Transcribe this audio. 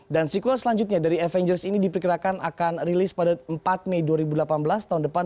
dan sequel selanjutnya dari avengers ini diperkirakan akan rilis pada empat mei dua ribu delapan belas tahun depan